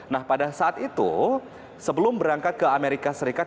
nah pada saat itu sebelum berangkat ke amerika serikat